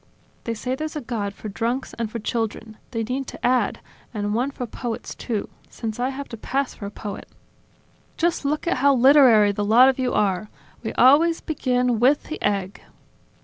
They say there's a God for drunks and for children. They need to add: And one for poets, too, since I have to pass for a poet." "Just look at how literary the lot of you are. We always begin with the egg!"